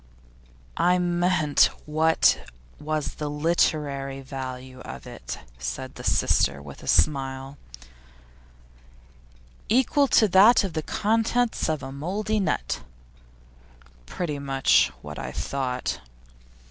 'I meant, what was the literary value of it?' said his sister, with a smile. 'Equal to that of the contents of a mouldy nut.' 'Pretty much what I thought.